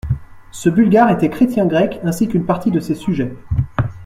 Ce Bulgare était chrétien grec, ainsi qu'une partie de ses sujets.